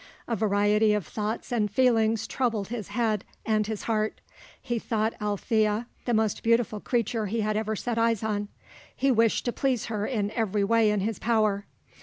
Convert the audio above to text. A variety of thoughts and feelings troubled his head and his heart. He thought Alethea the most beautiful creature he had ever set eyes on. He wished to please her in every way in his power.